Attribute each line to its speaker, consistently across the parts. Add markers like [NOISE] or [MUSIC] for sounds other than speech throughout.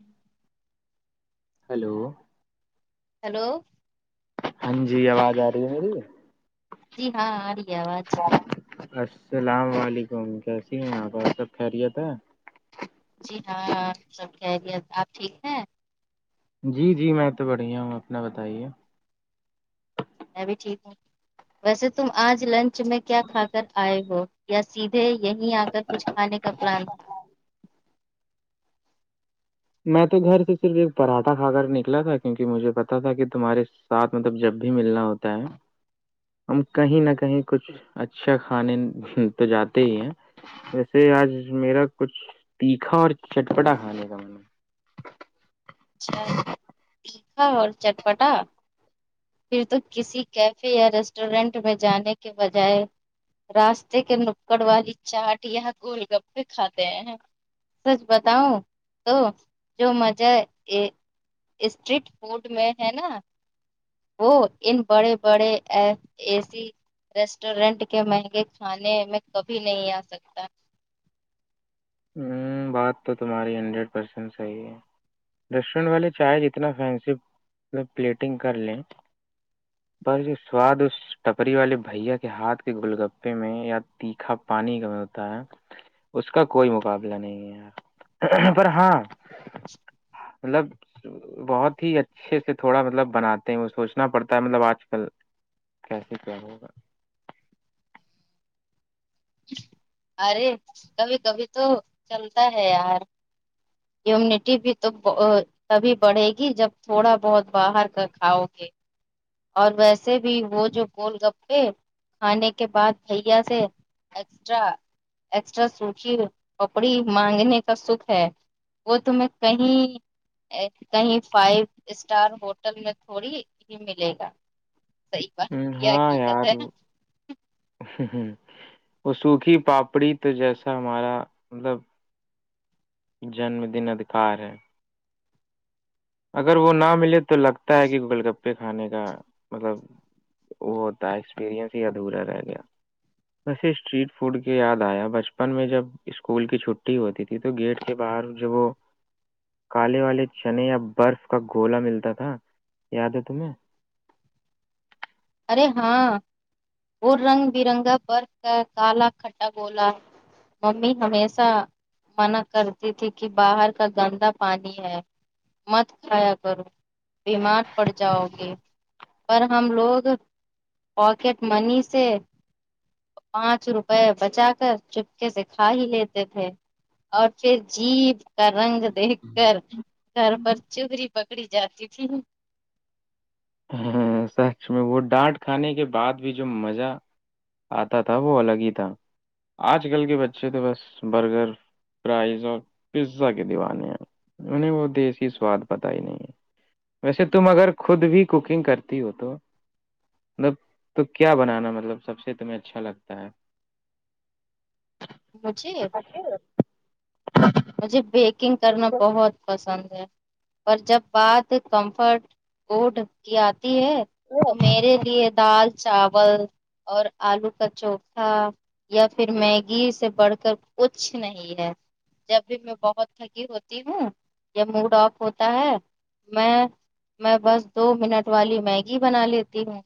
Speaker 1: ہ
Speaker 2: hello
Speaker 1: hello
Speaker 2: ہاں جی آواز آ رہی ہے میری
Speaker 1: جی ہاں آ رہی ہے آواز
Speaker 2: السلام علیکم کیسی ہیں آپ آ سب خیریت ہے
Speaker 1: جی ہاں سب کہہریت آپ ٹھیک ہیں
Speaker 2: جی جی میں تو بڑھیا ہوں اپنا بتائیے
Speaker 1: میں بھی ٹھیک ہوں ویسے تم آج لنچ میں کیا کھا کر آئے ہو یا سیدھے یہیں آ کر کچھ کھانے کا پلان تھا
Speaker 2: میں تو گھر سے صرف ایک پراٹھا کھا کر نکلا تھا کیوں کہ مجھے پتا تھا کہ تمہارے ساتھ مطلب جب بھی ملنا ہوتا ہے ہم کہیں نہ کہیں کچھ اچھا کھانے تو جاتے ہی ہیں ویسے آج میرا کچھ تیکھا اور چٹپٹا کھانے کا م نے
Speaker 1: اچھا ہاں اور چٹپٹا پھر تو کسی کیفے یا ریسٹورینٹ میں جانے کے بجائے راستے کے نپکڑ والی چاٹ یہ گول گپے کھاتے ہیں سچ بتاؤ تو جو مجہ اسٹریٹ فوڈ میں ہے نا وہ ان بڑے بڑے ایسی ریسٹورینٹ کے مہنگے کھانے میں کبھی نہیں آ سکتا
Speaker 2: ہوں بات تو تمہاری ہنڈریڈ پرسینٹ صحیح ہے ریسٹورنٹ والے چائے جتنا فینسی مل پلیٹنگ کر لیں پر جو سواد اس ٹپری والے بھیا کے ہاتھ کے گول گپے میں یا تیکھا پانی کا ہوتا ہے اس کا کوئی مقابلہ نہیں ہے پر ہاں
Speaker 1: [UNINTELLIGIBLE]
Speaker 2: مطلب بہت ہی اچھے سے تھوڑا مطلب بناتے ہیں وہ سوچنا پڑتا ہے مطلب آج کل کیسے کیا ہوگا
Speaker 1: ارے کبھی کبھی تو چلتا ہے یار منیٹی بھی تو تبھی بڑھے گی جب تھوڑا بہت باہر کر کھاؤ گے اور ویسے بھی وہ جو گول گپے کھانے کے بعد بھیا سے ایکسٹرا ایکسٹرا سوکھی پپڑی مانگنے کا سکھ ہے وہ تو میں کہیں کہیں فائیو اسٹار ہوٹل میں تھوڑی ہی ملے گی سی
Speaker 2: ہ ہاں یار ہ وہ سوکھی پاپڑی تو جیسا ہمارا مطلب جنم دن ادھکار ہے اگر وہ نہ ملے تو لگتا ہے کہ گگل گپے کھانے کا مطلب وہ ہوتا ایکسپیرئنس ہی ادھورا رہ گیا ویسے اسٹریٹ فوڈ کے یاد آیا بچپن میں جب اسکول کی چھٹی ہوتی تھی تو گیٹ کے باہر جب وہ کالے والے چنے یا برف کا گولا ملتا تھا یاد ہے تمہیں
Speaker 1: ارے ہاں وہ رنگ بھی رنگا پر کالا کھٹا گولا نہیں ہمیشہ سردی تھی کہ باہر کا گندا پانی ہے مت کھایا کرو بیمار پڑ جاؤ گے پر ہم لوگ مارکیٹ منی سے [UNINTELLIGIBLE] پانچ روپے بچا کر چپکے سے کھا ہی لیتے تھے اوکے جی کا رنگ دیکھ کر سر پر چغری پکڑی جاتی تھی [UNINTELLIGIBLE]
Speaker 2: سیکس میں وہ ڈانٹ کھانے کے بعد بھی جو مزہ اتا تھا وہ الگ ہی تھا اج کل کے بچے تو بس برگر پرائز اور پزا کے دیوانے ہیں میں نے وہ دیسی سوات پتہ ہی نہیں ہے ویسے تم اگر خود بھی کوکنگ کرتی ہو تو تو کیا بنانا مطلب سب سے تمہیں اچھا لگتا ہے
Speaker 1: مجھے مجھے بیکنگ کرنا بہت پسند ہے پر جب بات کمفرٹ بہت شکریہ اتی ہے تو میرے لیے دال چاول اور الو کا چوتھا یا پھر میں گھی سے بڑھ کر کچھ نہیں ہے جب بھی میں بہت تھکی ہوتی ہوں یا موڈ اف ہوتا ہے میں میں بس دو منٹ والی مہنگی بنا لیتی ہوں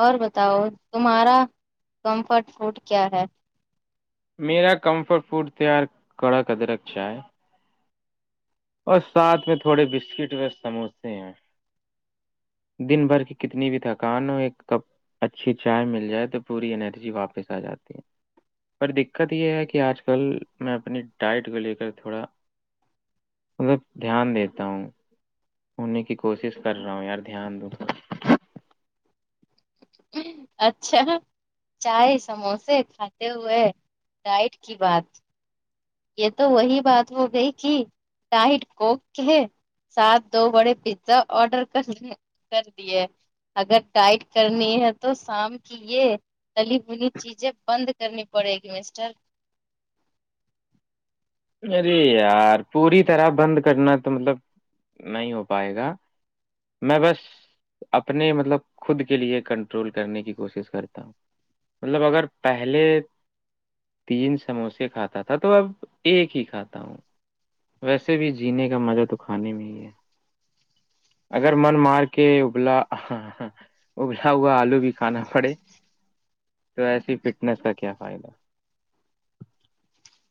Speaker 1: اور بتاؤ تمہارا کمفرٹ فوڈ کیا ہے
Speaker 2: میرا کمفر فوڈ تیار کوڑا قدرک شاہ ہے [UNINTELLIGIBLE] اور ساتھ میں تھوڑے بسکٹ سموسے ہیں دن بھر کی کتنی بھی تھکان ہو ایک کپ اچھی چائے مل جائے تو پوری انرجی واپس ا جاتی ہے دقت یہ ہے کہ اج کل میں اپنی ڈائٹ کو لے کر تھوڑا دھیان دیتا ہوں ہونے کی کوشش کر رہا ہوں یار دھیان دو
Speaker 1: اچھا چائے سموسے کھاتے ہوئے ڈائٹ کی بات [UNINTELLIGIBLE] یہ تو وہی بات ہو گئی تھی نائٹ کو کہ ساتھ دو بڑے پتا ارڈر ک دیا ہے اگر ٹائٹ کرنی ہے تو سانپ یہ علی بلی چیزیں بند کرنی پڑے گی مسٹر
Speaker 2: ارے یار پوری طرح بند کرنا مطلب نہیں ہو پائے گا میں بس اپنے مطلب خود کے لیے کنٹرول کرنے کی کوشش کرتا ہوں مطلب اگر پہلے تین سموسے کھاتا تھا تو ایک ہی کھاتا ہوں ویسے بھی جینے کا مزہ تو کھانے میں ہی ہے اگر من مار کے ابھرا ہوا الو بھی کھانا پڑے تو ایسی فٹنس کا کیا فائدہ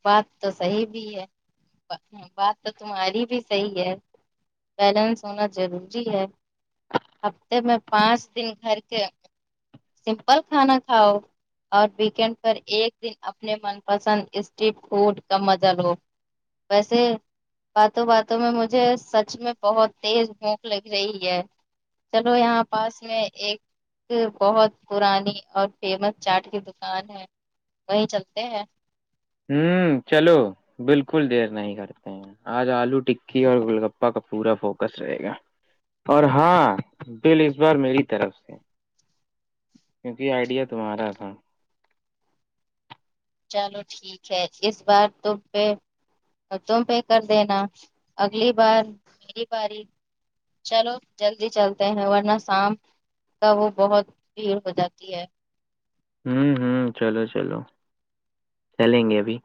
Speaker 1: بات تو صحیح بھی ہے بات تو تمہاری بھی صحیح ہے بیلنس ہونا چاہیے ہفتے میں پانچ دن بھر کے سمپل کھانا کھاؤ اور ویک اینڈ پر ایک دن اپنے من پسند اس ویسے [INAUDIBLE] باتوں باتوں میں مجھے سچ میں بہت تیز بھوک لگ رہی ہے چلو یہاں پاس میں ایک بہت پرانی اور فیمس چاٹ کے دکان ہے [UNINTELLIGIBLE]
Speaker 2: چلو بالکل دیر نہیں کرتے اج الو ٹکی اور گلگپہ کا پورا فوکس رہے گا اور ہاں بل اس بار میری طرف سے کیونکہ آئیڈیا تمہارا تھا
Speaker 1: چلو ٹھیک ہے اس بار تو پہ اور تم پہ کر دینا اگلی بار میری باری چلو جلدی چلتے ہیں ورنہ شام کا وہ بہت بھیڑ ہو جاتی ہے
Speaker 2: ہوں ہوں چلو چلو چلیں گے ابھی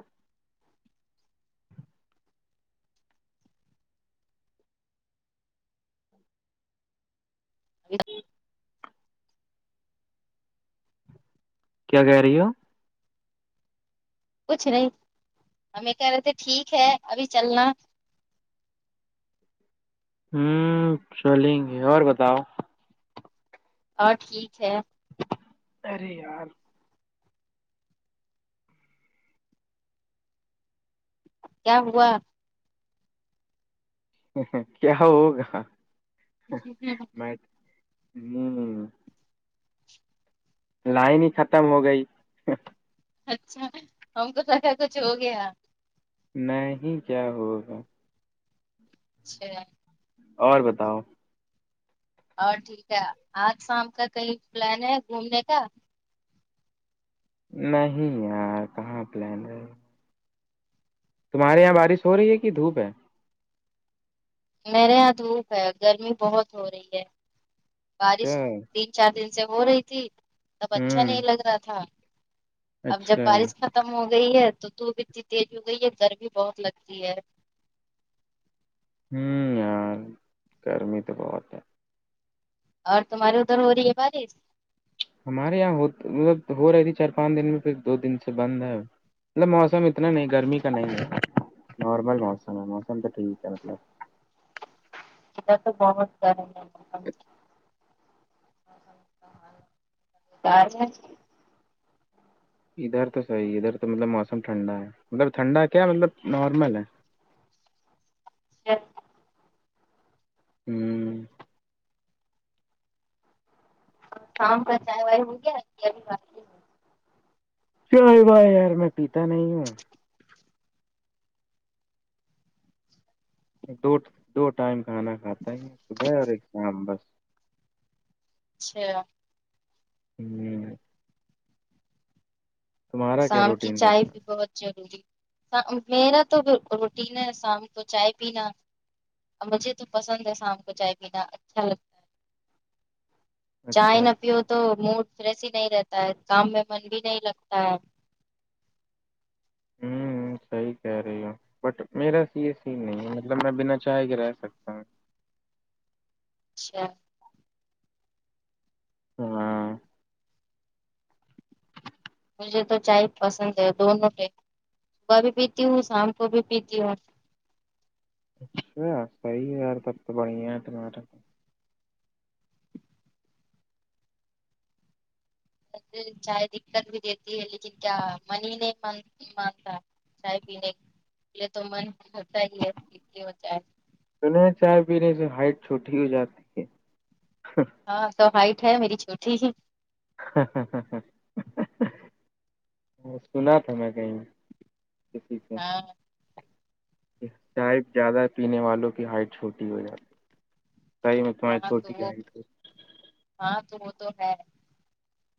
Speaker 1: ا
Speaker 2: کیا کہہ رہی ہو
Speaker 1: کچھ نہیں ہمیں کہہ رہے تھے ٹھیک ہے ابھی چلنا
Speaker 2: ہوں چلیں گے اور بتاؤ
Speaker 1: اور ٹھیک ہے
Speaker 2: ارے یار [INAUDIBLE]
Speaker 1: کیا ہوا
Speaker 2: کیا ہوگا ہ [INAUDIBLE] لائن ہی ختم ہو گئی
Speaker 1: اچھا ہم کو تو کیا کچھ ہو گیا
Speaker 2: نہیں کیا ہوگا
Speaker 1: اچھا [INAUDIBLE]
Speaker 2: اور بتاؤ
Speaker 1: اور ٹھیک ہے آج شام کا کہئی پلان ہے گھومنے کا
Speaker 2: نہیں یار کہاں پلان رہ تمہارے یہاں بارش ہو رہی ہے کہ دھوپ ہے
Speaker 1: میرے یہاں دھوپ ہے گرمی بہت ہو رہی ہے بارش
Speaker 2: اچھا
Speaker 1: دن چار دن سے ہو رہی تھی تب اچھا
Speaker 2: ہوں
Speaker 1: نہیں لگ رہا تھا اب جب
Speaker 2: اچھا
Speaker 1: بارش ختم ہو گئی ہے تو دھوپ اتنی تیز ہو گئی ہے گر بھی بہت لگتی ہے
Speaker 2: ہوں یار گرمی تو بہت ہے
Speaker 1: اور تمہاری ادھر ہو رہی ہے بارش
Speaker 2: ہمارے یہاں مطلب ہو رہی تھی چار پانچ دن میں پھر دو دن سے بند ہے مطلب موسم اتنا نہیں گرمی کا نہیں ہے نارمل موسم ہے موسم تو ٹھیک ہے مطلب
Speaker 1: اا تو بہت گرم ہے
Speaker 2: ادھر تو صحیح ادھر تو مطلب موسم ٹھنڈا ہے مطلب ٹھنڈا کیا مطلب نارمل ہے
Speaker 1: چ
Speaker 2: ہوں
Speaker 1: شام کا چائے وائے ہو گیا رووار
Speaker 2: چے بائے یار میں پیتا نہیں ہوں دو دو ٹائم کھانا کھاتا ہے صبح اور ایک شام بس
Speaker 1: اچھا
Speaker 2: ہوں تمہارا کیا
Speaker 1: شام کی
Speaker 2: روٹین
Speaker 1: چائے
Speaker 2: رہتا
Speaker 1: بھی
Speaker 2: ہے
Speaker 1: بہت ضروری میرا تو روٹین ہے شام کو چائے پینا مجھے تو پسند ہے شام کو چائے پینا اچھا لگتا ہے چائے
Speaker 2: اچھا
Speaker 1: نہ
Speaker 2: اچھا
Speaker 1: پیو تو موڈ فریش ہی نہیں رہتا ہے کام میں من بھی نہیں لگتا ہے
Speaker 2: ہوں سحی کہہ رہے بٹ میرا سے یہ سی نہیں ہے مطلب میں بنا چاہے کے رہ سکتا ہوں
Speaker 1: اچھا
Speaker 2: ہاں
Speaker 1: مجھے تو چائے پسند ہے دونوں ٹ صبح بھی پیتی ہوں شام کو بھی پیتی ہوں
Speaker 2: اچھا صحیح ہے یار تب تو بڑھیا ہے تمہارا
Speaker 1: چاہے دقت بھی دیتی ہے لیکن کیا منی ہی نہیں م مانتا چائے پینےے تو من ہوتا ہی ہے کہ ہوتا ہے
Speaker 2: تونہیں چائے پینے سے ہائٹ چھوٹی ہو جاتی
Speaker 1: ہاں سو ہائٹ ہے میری چھوٹی ہی
Speaker 2: سنا تھا میں کہیں اچ ٹھیک ہے
Speaker 1: ہاں
Speaker 2: چائے زیادہ پینے والوں کی ہائٹ چھوٹی ہو جاتی ہے صحیح میں تمہاری
Speaker 1: ہاں تو
Speaker 2: چھوٹی
Speaker 1: وہ
Speaker 2: ہائٹ ہو
Speaker 1: ہاں تو وہ تو ہے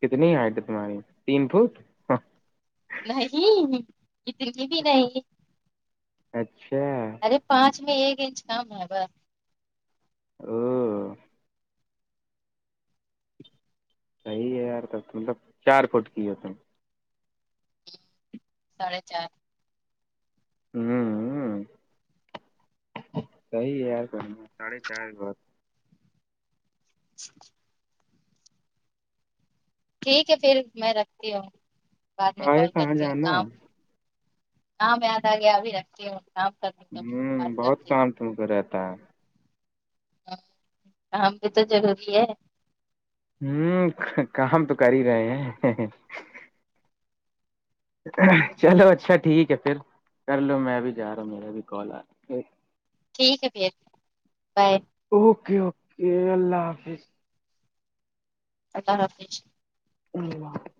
Speaker 2: کتنی ہائٹ تمہاری تین فٹ
Speaker 1: نہیں اتنی بھی نہیں
Speaker 2: اچھا
Speaker 1: ارے پانچ میں ایک انچ کم ہے ب
Speaker 2: او صحیح ہے یار تک مطلب چار فٹ کی ہوتے
Speaker 1: ساڑے چار
Speaker 2: ہوں ہ سی ہے یار کہ ساھے چار بات
Speaker 1: اچھا ٹھیک ہے پھر میں رکھتی ہوں بعد میں
Speaker 2: کاے
Speaker 1: کال
Speaker 2: کہاں
Speaker 1: کرتی ہوں
Speaker 2: جانا
Speaker 1: کام ہاں میں د آ گیا ابھی رکھتی ہوں کام کرنے
Speaker 2: ہوں
Speaker 1: بات
Speaker 2: بہت
Speaker 1: کرتی ہوں
Speaker 2: کام تم کو رہتا ہے
Speaker 1: ہاں کام بھی تو ضروری ہے
Speaker 2: ہوں کام تو کر ہی رہے ہیں چلو اچھا ٹھیک ہے پھر کر لو میں بھی جا رہا ہوں میرا بھی کال آ رہا ہے۔
Speaker 1: ٹھیک ہے بیا بائے
Speaker 2: اوکے اوکے اللہ حافظ
Speaker 1: اللہ رافظ
Speaker 2: نہیں